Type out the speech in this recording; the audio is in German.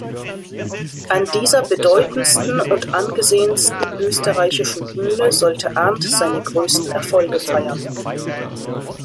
An dieser bedeutendsten und angesehensten österreichischen Bühne sollte Arndt seine größten Erfolge feiern.